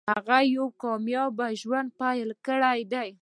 هغه یو کامیاب ژوند پیل کړی دی